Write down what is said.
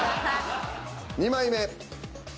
２枚目。